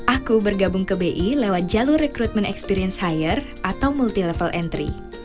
aku bergabung ke bi lewat jalur recruitment experience hire atau multi level entry